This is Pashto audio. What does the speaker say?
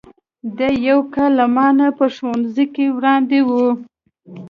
دی یو کال له ما نه په ښوونځي کې وړاندې و.